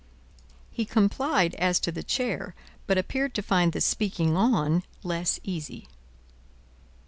He complied as to the chair, but appeared to find the speaking on less easy.